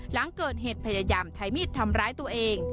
หลังเกิดเหตุพยายามใช้มีดทำร้ายตัวเอง